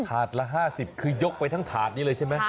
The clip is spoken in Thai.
ถาดละ๕๐คือยกไปทั้งถาดนี้เลยใช่ไหม